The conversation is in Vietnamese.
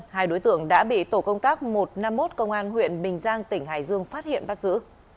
hai đối tượng đã bị tổ công tác một trăm năm mươi một công an huyện bình giang tỉnh hải dương phát hiện bắt giữ